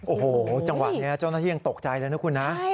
โอ้โหจังหวะนี้เจ้าหน้าที่ยังตกใจเลยนะคุณนะ